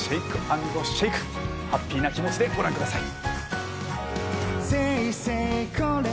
ハッピーな気持ちでご覧ください。